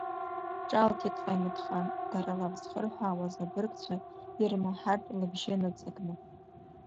Ҿаалҭит Ҟаимаҭхан, дара алаф зхырҳәаауаз абыргцәа ирмаҳартә лыбжьы ныҵакны.